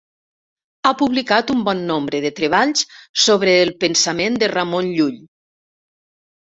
Ha publicat un bon nombre de treballs sobre el pensament de Ramon Llull.